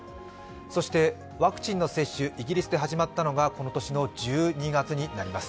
そしてワクチンの接種、イギリスで始まったのがこの年の１２月になります。